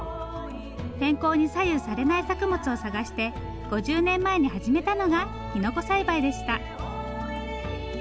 天候に左右されない作物を探して５０年前に始めたのがきのこ栽培でした。